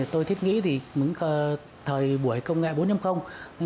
tôi thiết nghĩ thì mỗi thời buổi công nghệ bốn trăm năm mươi